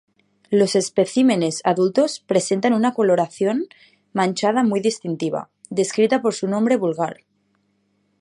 Los especímenes adultos presentan una coloración manchada muy distintiva, descrita por su nombre vulgar.